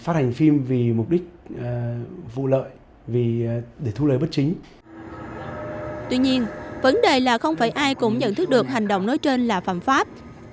tuy nhiên vấn đề là không phải ai cũng nhận thức được hành động nói trên là phạm pháp